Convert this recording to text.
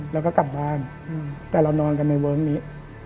แล้วก็กลับบ้านแต่เรานอนกันในเวิร์คนี้